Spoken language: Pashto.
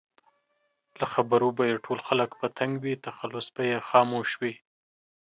له خبرو به یې ټول خلک په تنګ وي؛ تخلص به یې خاموش وي